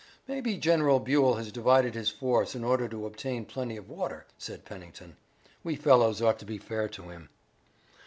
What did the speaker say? "Maybe General Buell has divided his force in order to obtain plenty of water," said Pennington. "We fellows ought to be fair to him."